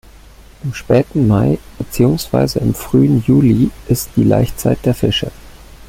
Im späten Mai beziehungsweise im frühen Juli ist die Laichzeit der Fische.